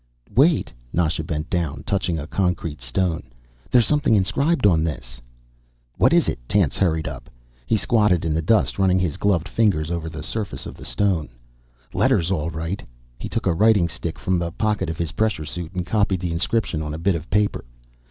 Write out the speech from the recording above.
"Wait." Nasha bent down, touching a concrete stone. "There's something inscribed on this." "What is it?" Tance hurried up. He squatted in the dust, running his gloved fingers over the surface of the stone. "Letters, all right." He took a writing stick from the pocket of his pressure suit and copied the inscription on a bit of paper.